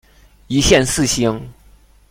一线四星。